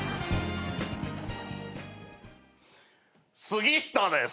杉下です。